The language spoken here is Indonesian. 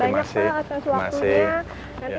terima kasih banyak pak atas waktunya